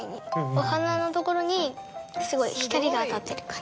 お花のところにすごい光が当たってる感じ。